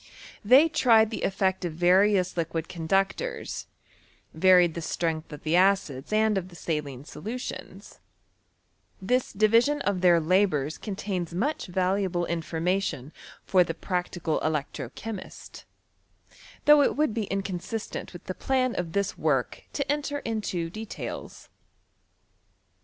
They tried the effect of various liquid conductors, varied the strength of the acids and of the saline solutions* This division of their labours contains much valuable information for the practical electro chemist, though it would be inconsistent with the plan of this work to enter into details.